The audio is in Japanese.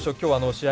試合